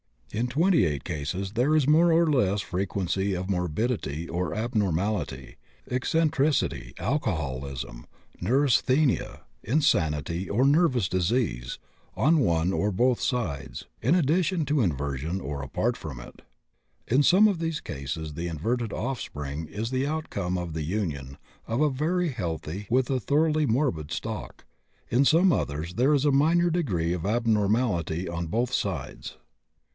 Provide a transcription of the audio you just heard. In 28 cases there is more or less frequency of morbidity or abnormality eccentricity, alcoholism, neurasthenia, insanity, or nervous disease on one or both sides, in addition to inversion or apart from it. In some of these cases the inverted offspring is the outcome of the union, of a very healthy with a thoroughly morbid stock; in some others there is a minor degree of abnormality on both sides.